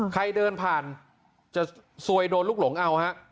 ใครเดินผ่านจะซวยโดนลูกหลงเอาฮะ